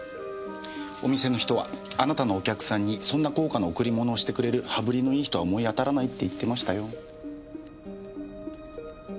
お店の人はあなたのお客さんにそんな高価な贈り物をしてくれる羽振りのいい人は思い当たらないって言ってましたよ。